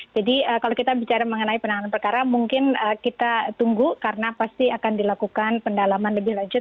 jadi kalau kita bicara mengenai penanganan perkara mungkin kita tunggu karena pasti akan dilakukan pendalaman lebih lanjut